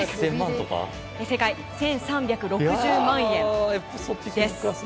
正解は１３６０万円です。